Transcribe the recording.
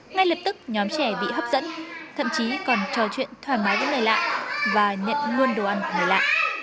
ngay lập tức nhóm trẻ bị hấp dẫn thậm chí còn trò chuyện thoải mái với lời lạ và nhận luôn đồ ăn của người lạ